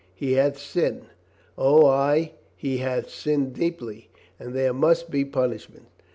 He hath sinned; O, ay, he hath sinned deeply, and there must be punishment.